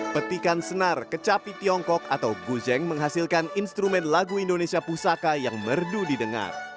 petikan senar kecapi tiongkok atau guzeng menghasilkan instrumen lagu indonesia pusaka yang merdu didengar